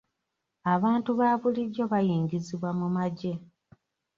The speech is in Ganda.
Abantu ba bulijjo bayingizibwa mu magye.